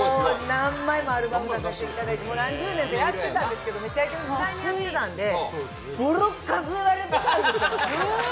何枚もアルバム出させていただいて何十年とやってたんですけど「めちゃイケ」の時代にやってたので誰にですか？